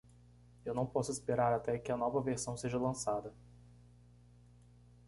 Eu não posso esperar até que a nova versão seja lançada.